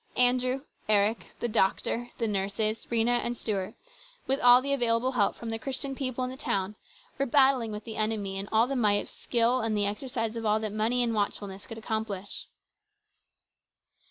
Andrew, Eric, the doctor, the nurses, Rhena and Stuart, with all the available help from the Christian people in the town, were battling with the enemy with all the might of skill and the exercise of all that money and watchfulness could accomplish.